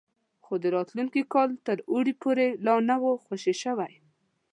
خو د راتلونکي کال تر اوړي پورې لا نه وو خوشي شوي.